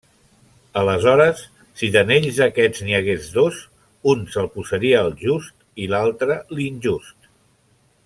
Aleshores, si d'anells d'aquests n'hi hagués dos, un se'l posaria el just, i l'altre l'injust.